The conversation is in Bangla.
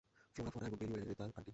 ফ্লোরা, ফনা এবং মেরিওয়েদার আন্টি।